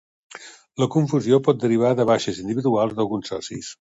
La confusió pot derivar de baixes individuals d'alguns socis.